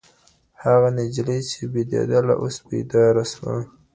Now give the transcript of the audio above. هغه نجلۍ چي بېدېدله اوس بېداره سوه.